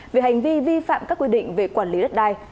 về hành vi vi phạm các quy định về quản lý đất đai